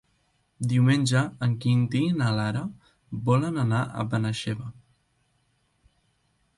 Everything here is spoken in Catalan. Diumenge en Quintí i na Lara volen anar a Benaixeve.